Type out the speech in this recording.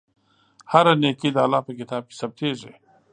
هره نېکۍ د الله په کتاب کې ثبتېږي.